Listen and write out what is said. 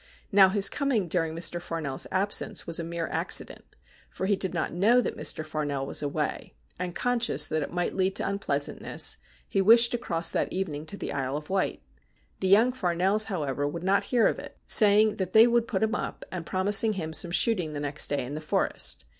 Now, his coming during Mr. Farnell's absence was a mere accident, for he did not know that Mr. Farnell was away, and, conscious that it might lead to unpleasantness, he wished to cross that evening to the Isle of Wight. The young Farnells, however, would not hear of it, saying that they would put him up, and promising him some shooting the next day in the Forest.